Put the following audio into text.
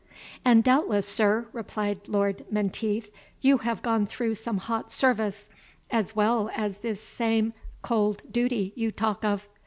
"And, doubtless, sir," replied Lord Menteith, "you have gone through some hot service, as well as this same cold duty you talk of?"